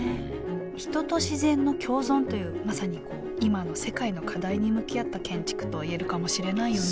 人と自然の共存というまさに今の世界の課題に向き合った建築といえるかもしれないよね